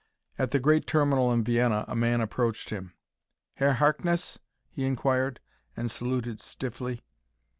At the great terminal in Vienna a man approached him. "Herr Harkness?" he inquired, and saluted stiffly.